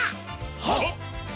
はっ！